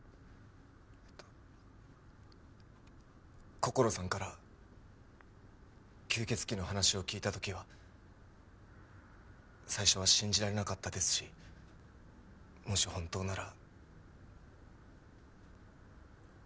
こころさんから吸血鬼の話を聞いた時は最初は信じられなかったですしもし本当なら怖いなと思いました。